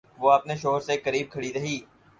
وہ اپنے شوہر سے قریب کھڑی رہی۔